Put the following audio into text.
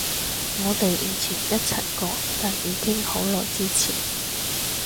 我哋以前一齊過，但已經好耐之前